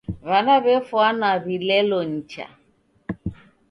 W'ana w'efwana w'ilelo nicha.